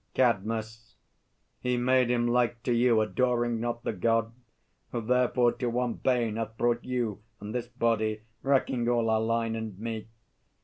CADMUS. He made him like to you, adoring not The God; who therefore to one bane hath brought You and this body, wrecking all our line, And me.